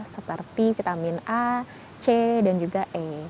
seperti vitamin a c dan juga e